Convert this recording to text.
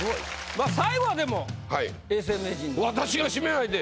まあ最後はでも永世名人に。